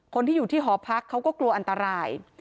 คนที่อยู่ที่หอพักเขาก็กลัวอันตราย